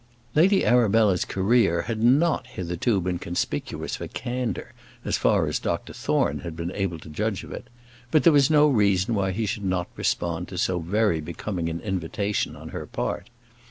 Lady Arabella's career had not hitherto been conspicuous for candour, as far as Dr Thorne had been able to judge of it; but that was no reason why he should not respond to so very becoming an invitation on her part.